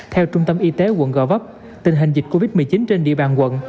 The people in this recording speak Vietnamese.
theo trung tâm y tế quận gò vấp tình hình dịch covid một mươi chín trên địa bàn quận